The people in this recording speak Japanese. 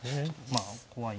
まあ怖い。